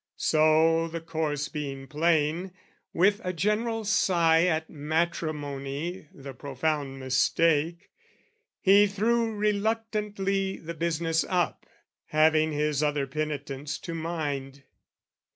So, the course being plain, with a general sigh At matrimony the profound mistake, He threw reluctantly the business up, Having his other penitents to mind.